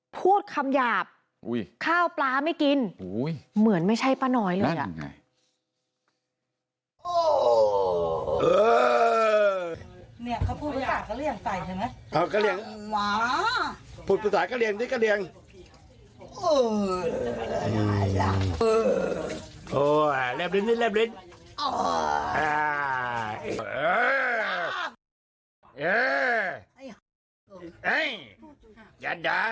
พูดคำหยาบข้าวปลาไม่กินเหมือนไม่ใช่ป้าน้อยเลย